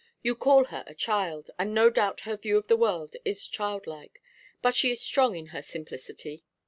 You call her a child, and no doubt her view of the world is childlike; but she is strong in her simplicity.